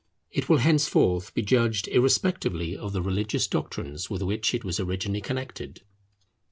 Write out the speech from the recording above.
It will henceforth be judged irrespectively of the religious doctrines with which it was originally connected.